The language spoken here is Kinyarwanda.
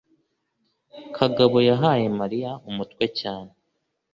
kagabo yahaye mariya umutwe cyane